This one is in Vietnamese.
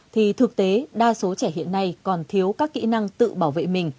thì thực tế đa số trẻ hiện nay còn thiếu các kỹ năng tự bảo vệ mình